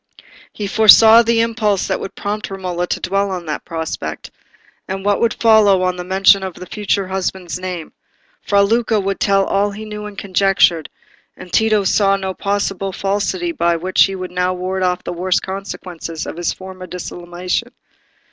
He foresaw the impulse that would prompt Romola to dwell on that prospect, and what would follow on the mention of the future husband's name. Fra Luca would tell all he knew and conjectured, and Tito saw no possible falsity by which he could now ward off the worst consequences of his former dissimulation.